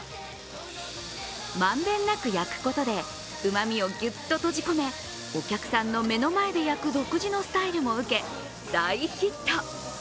満遍なく焼くことでうまみをぎゅっと閉じ込めお客さんの目の前で焼く独自のスタイルも受け、大ヒット。